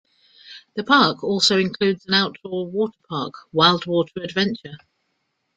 The park also includes an outdoor water park, WildWater Adventure.